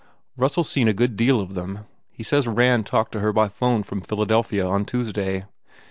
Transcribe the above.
Russell s seen a good deal of them. He says Rand talked to her by phone from Philadelphia on Tuesday.